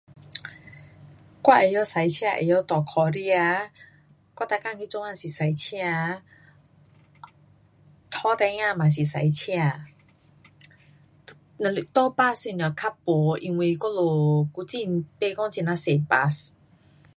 我会晓驾车，会晓搭脚车，我每天去做工是驾车。载孩儿也是驾车。若是搭 bus 什么较没，因为我们古晋不讲很呀多 bus